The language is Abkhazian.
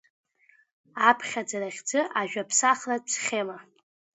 Аԥхьаӡара хьӡы ажәаԥсахратә схема…